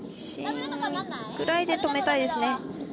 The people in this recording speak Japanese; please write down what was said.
芯ぐらいで止めたいですね。